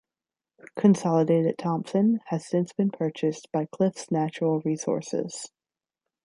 Consolidated Thompson has since been purchased by Cliffs Natural Resources.